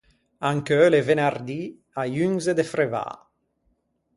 Ancheu l’é venardì a-i unze de frevâ.